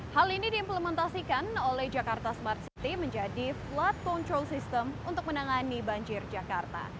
hal ini diimplementasikan oleh jakarta smart city menjadi flood control system untuk menangani banjir jakarta